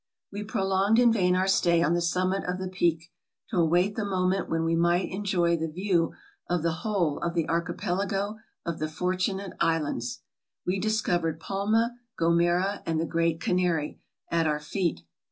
We prolonged in vain our stay on the summit of the Peak, to wait the moment when we might enjoy the view of the whole of the Archipelago of the Fortunate Islands. We discovered Palma, Gomera, and the Great Canary, at our feet.